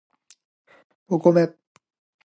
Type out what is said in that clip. お米